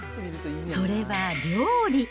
それは料理。